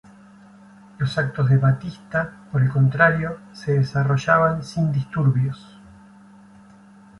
Los actos de Batista, por el contrario, se desarrollaban sin disturbios.